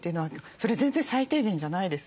それは全然最低限じゃないですよって。